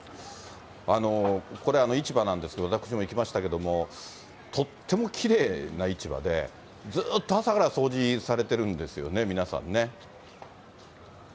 これ、市場なんですけれども、私も行きましたけど、とってもきれいな市場で、ずっと朝から掃除されてるんですよね、皆さんね。